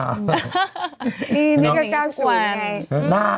นี่มีก็๙๐ไง